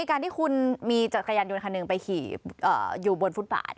การที่คุณมีจักรยานยนต์คันหนึ่งไปขี่อยู่บนฟุตบาท